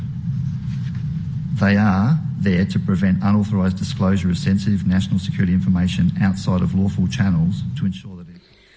mereka ada untuk memastikan penyelamatkan kebohongan keamanan nasional yang sensitif di luar channel channel yang berpengaruh